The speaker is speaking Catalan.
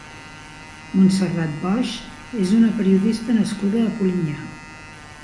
Montserrat Boix és una periodista nascuda a Polinyà.